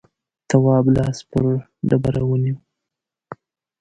تواب لاس پر ډبره ونيو.